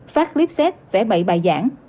phát clip set vẽ bậy bài giảng